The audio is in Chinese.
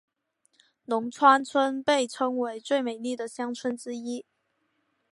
龙川村被称为最美丽的乡村之一。